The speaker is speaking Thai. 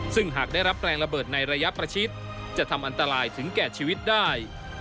ซึ่งหากได้รับแรงระเบิดในระยะประชิดจะทำอันตรายถึงแก่ชีวิตได้